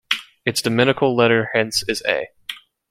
Its dominical letter hence is A.